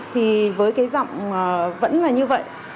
thì với cái giọng vẫn là như vậy